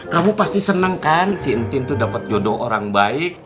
kamu pasti seneng kan si intin tuh dapet jodoh orang baik